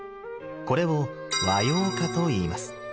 これを「和様化」と言います。